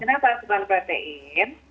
kenapa asupan protein